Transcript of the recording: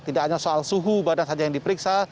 tidak hanya soal suhu badan saja yang diperiksa